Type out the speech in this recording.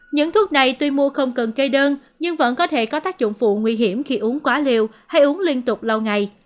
những thuốc này tuy mua không cần cây đơn nhưng vẫn có thể có tác dụng phụ nguy hiểm khi uống quá liều hay uống liên tục lâu ngày